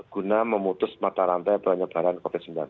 guna memutus mata rantai penyebaran covid sembilan belas